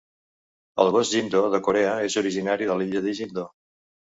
El gos Jindo de Corea és originari de l'illa de Jindo.